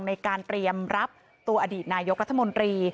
ในการเตรียมรับตัวอดีตนายกรัฐมนตรี